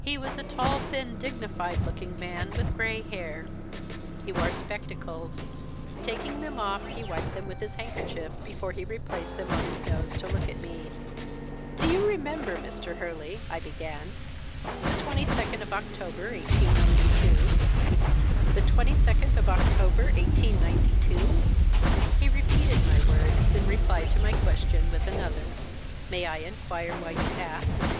He was a tall, thin, dignified looking man, with grey hair. He wore spectacles. Taking them off, he wiped them with his handkerchief before he replaced them on his nose to look at me. "'Do you remember, Mr. Hurley,' I began, 'the 22nd of October, 1892?' "'The 22nd of October, 1892?' He repeated my words, then replied to my question with another, 'May I inquire why you ask?'